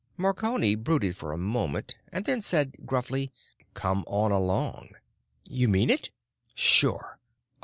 Marconi brooded for a moment and then said gruffly, "Come on along." "You mean it?" "Sure.